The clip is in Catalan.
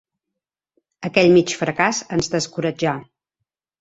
Aquell mig fracàs ens descoratjà.